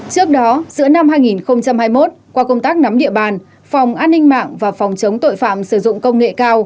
trước đó giữa năm hai nghìn hai mươi một qua công tác nắm địa bàn phòng an ninh mạng và phòng chống tội phạm sử dụng công nghệ cao